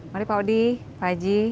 mari pak audi pak haji